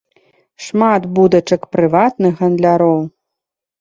Шмат будачак прыватных гандляроў.